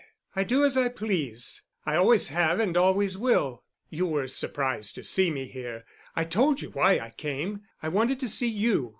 I do as I please. I always have and always will. You were surprised to see me here. I told you why I came. I wanted to see you.